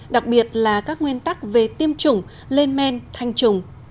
đặc biệt là các nguyên tắc về tiêm chủng lên men thanh trùng